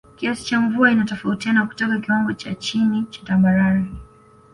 Kiasi cha mvua inatofautiana kutoka kiwango cha chini cha Tambarare